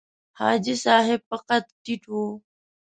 حاجي صاحب په قد ټیټ و.